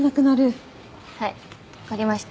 はい分かりました。